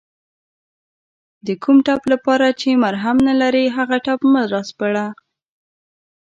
د کوم ټپ لپاره چې مرهم نلرې هغه ټپ مه راسپړه